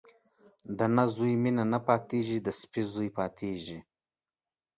د نه زويه مينه نه پاتېږي ، د سپي زويه پاتېږي.